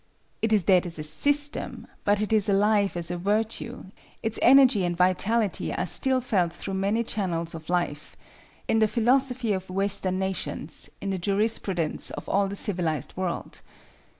It is dead as a system; but it is alive as a virtue: its energy and vitality are still felt through many channels of life—in the philosophy of Western nations, in the jurisprudence of all the civilized world.